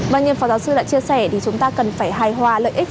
vâng như phó giáo sư đã chia sẻ thì chúng ta cần phải hài hòa lợi ích